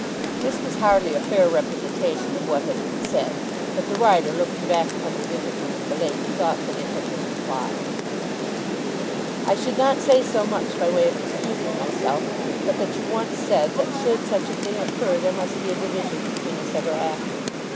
This was hardly a fair representation of what had been said, but the writer, looking back upon his interview with the lady, thought that it had been implied. I should not say so much by way of excusing myself, but that you once said, that should such a thing occur there must be a division between us ever after.